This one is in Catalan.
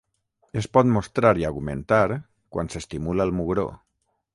Es pot mostrar i augmentar quan s'estimula el mugró.